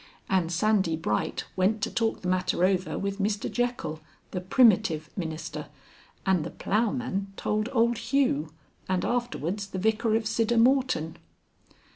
And Sandy Bright went to talk the matter over with Mr Jekyll, the "Primitive" minister, and the ploughman told old Hugh and afterwards the vicar of Siddermorton.